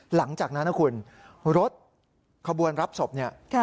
หลังจากนั้นนะคุณรถขบวนรับศพเนี่ย